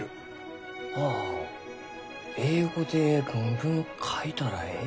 ああ英語で論文書いたらえい。